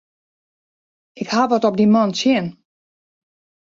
Ik haw wat op dy man tsjin.